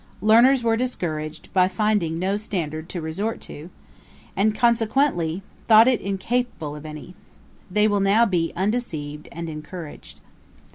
Learners were discouraged, by finding no standard to resort to; and, consequently, thought it incapable of any. They will now be undeceived and encouraged.'